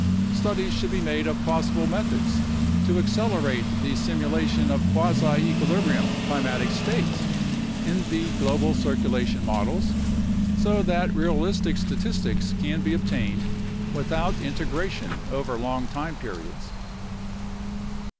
Studies should be made of possible methods to accelerate the simu lation of quasi equilibrium climatic states in the global circulation models, so that realistic statistics can be obtained without integration over long time periods.